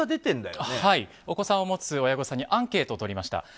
お子さんを持つ親御さんにアンケートをとりました。